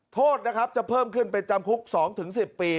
โทษนะครับจะเพิ่มขึ้นเป็นจำคุก๒๑๐ปี